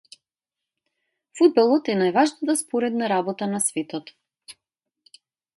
Фудбалот е најважната споредна работа на светот.